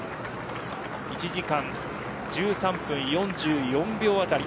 １時間１３分４４秒あたり。